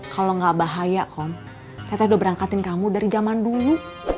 kalau nggak bahaya kom teh teh udah berangkatin kamu dari zaman dulu